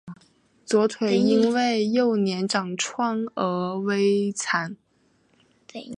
左腿因为幼年长疮而微残。